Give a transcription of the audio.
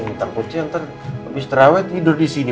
minta koci ntar abis terawih tidur di sini